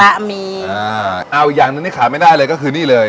เอาอีกอย่างตื้อนี้ถามไม่ได้เลยคือนี่เลย